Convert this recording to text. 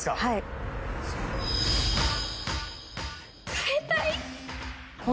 変えたい。